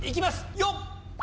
よっ！